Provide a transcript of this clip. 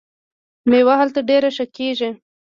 میوه هلته ډیره ښه کیږي.